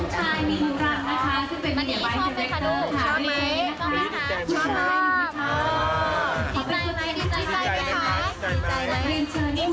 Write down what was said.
ดีใจไหม